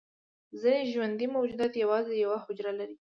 ځینې ژوندي موجودات یوازې یوه حجره لري